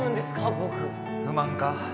僕不満か？